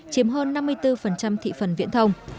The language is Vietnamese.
chiếm hơn năm mươi bốn thị phần viễn thông